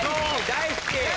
大好き！